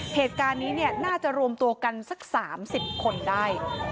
เหตุการณ์นี้น่าจะรวมตัวกันสัก๓๐คนได้